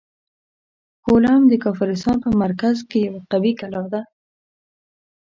کولوم د کافرستان په مرکز کې یوه قوي کلا ده.